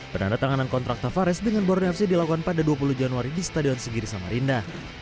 penandatanganan kontrak tavares dengan borneo fc dilakukan pada dua puluh januari di stadion sigiri samarinda